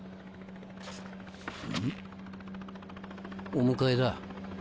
お迎えだ。